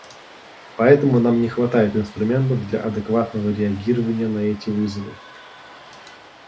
Поэтому нам не хватает инструментов для адекватного реагирования на эти вызовы.